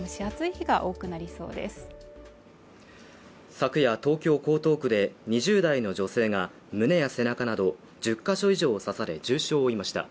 昨夜東京江東区で２０代の女性が胸や背中など１０ヶ所以上を刺され重傷を負いました。